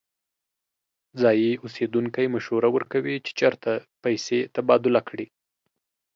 ځایی اوسیدونکی مشوره ورکوي چې چیرته پیسې تبادله کړي.